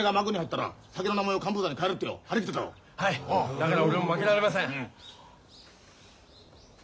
だから俺も負けられません。